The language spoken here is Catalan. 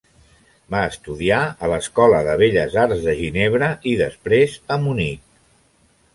Va estudiar a l'escola de Belles arts de Ginebra i després a Munic.